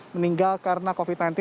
meninggal karena covid sembilan belas